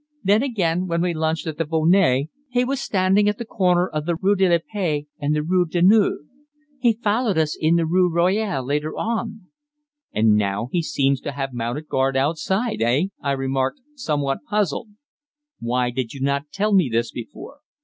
Then, again, when we lunched at the Volnay he was standing at the corner of the Rue de la Paix and the Rue Daunou. He followed us in the Rue Royale later on." "And now he seems to have mounted guard outside, eh?" I remarked, somewhat puzzled. "Why did you not tell me this before?"